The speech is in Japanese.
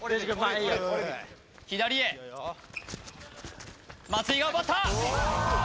左へ松井が奪った！